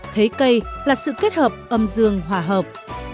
thấy cây là sự kết hợp âm dương hòa hợp